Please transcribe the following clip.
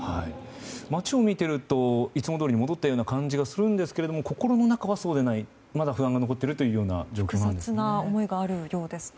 街を見ているといつもどおりに戻った感じもしますが心の中はそうではないまだ不安が残っているという状況なんですね。